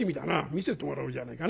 見せてもらおうじゃねえかな。